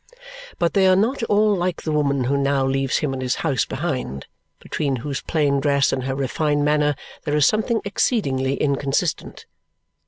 But they are not all like the woman who now leaves him and his house behind, between whose plain dress and her refined manner there is something exceedingly inconsistent.